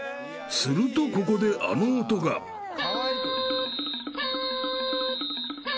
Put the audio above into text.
［するとここであの音が］何？